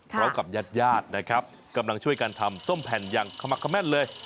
เขากับญาติญาตินะครับกำลังช่วยการทำส้มแผ่นอย่างคำรักคำแม่นเลย